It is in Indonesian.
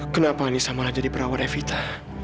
kenapa anissa malah jadi perawat revita